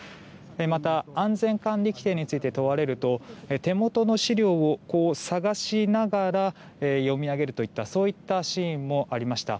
また、安全管理規程について問われると、手元の資料を探しながら読み上げるといったそういったシーンもありました。